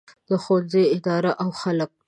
د ښوونځي اداره او خلک.